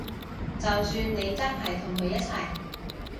就算你真係同佢一齊